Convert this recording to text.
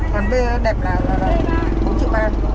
còn vé đẹp là bốn triệu ba